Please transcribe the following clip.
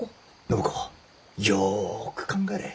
暢子よく考えれ。